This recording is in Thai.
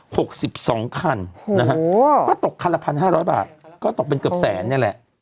หกสิบสองคันนะฮะโอ้ก็ตกคันละพันห้าร้อยบาทก็ตกเป็นเกือบแสนนี่แหละ